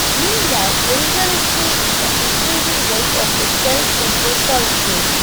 Meanwhile Angel is feeling the increasing weight of his self-imposed solitude.